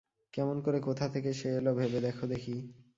কেমন করে কোথা থেকে সে এল ভেবে দেখো দেখি।